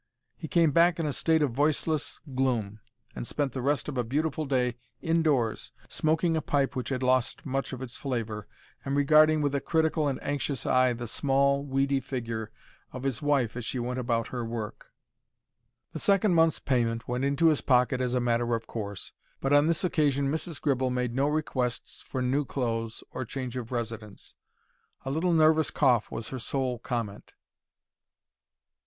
He came back in a state of voiceless gloom, and spent the rest of a beautiful day indoors, smoking a pipe which had lost much of its flavour, and regarding with a critical and anxious eye the small, weedy figure of his wife as she went about her work. The second month's payment went into his pocket as a matter of course, but on this occasion Mrs. Gribble made no requests for new clothes or change of residence. A little nervous cough was her sole comment.